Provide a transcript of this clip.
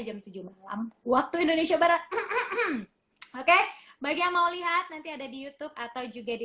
jam tujuh malam waktu indonesia barat oke bagi yang mau lihat nanti ada di youtube atau juga di